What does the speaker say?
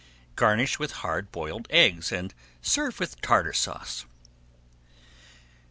Garnish with hard boiled eggs and serve with Tartar Sauce.